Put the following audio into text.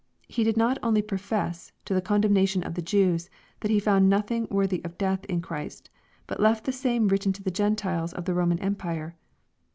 He did not only profess, to the condemnation of the Jews, that he found nothing worthy of death in Christ ; but left the same written to the Grentiles of the Roman empire.